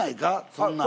そんなん。